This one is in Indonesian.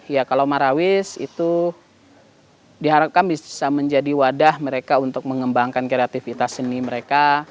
ya kalau marawis itu diharapkan bisa menjadi wadah mereka untuk mengembangkan kreativitas seni mereka